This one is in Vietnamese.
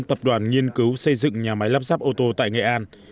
tập đoàn nghiên cứu xây dựng nhà máy lắp ráp ô tô tại nghệ an